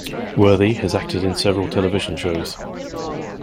Worthy has acted in several television shows.